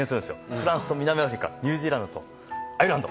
フランスと南アフリカニュージーランドとアイルランド。